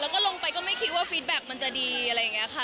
แล้วก็ลงไปก็ไม่คิดว่าฟิตแบ็คมันจะดีอะไรอย่างนี้ค่ะ